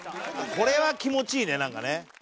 これは気持ちいいねなんかね。